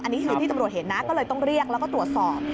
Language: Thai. อันนี้คือที่ตำรวจเห็นนะก็เลยต้องเรียกแล้วก็ตรวจสอบ